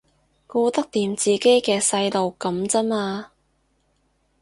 顧得掂自己嘅細路噉咋嘛